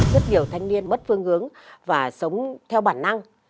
rất nhiều thanh niên mất phương hướng và sống theo bản năng